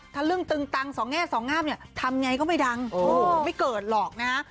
ทะลึ่งตึงตังสองแง่สองงามทำอย่างไรก็ไม่ดังไม่เกิดหรอกนะ